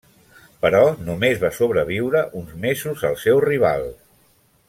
Però només va sobreviure uns mesos al seu rival.